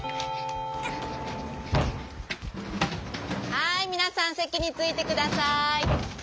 はいみなさんせきについてください！